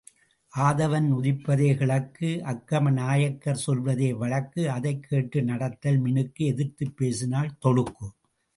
ஆதவன் உதிப்பதே கிழக்கு அக்கம நாயக்கர் சொல்வதே வழக்கு அதைக் கேட்டு நடத்தல் மினுக்கு எதிர்த்துப் பேசினால் தொழுக்கு.